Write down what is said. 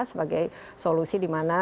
sebagai solusi di mana